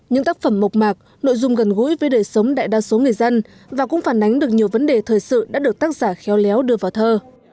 những tác phẩm mộc mạc nội dung gần gũi với đời sống đại đa số người dân và cũng phản ánh được nhiều vấn đề thời sự đã được tác giả khéo léo đưa vào thơ